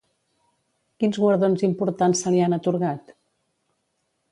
Quins guardons importants se li han atorgat?